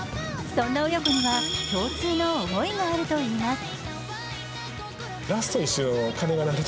そんな親子には共通の思いがあるといいます。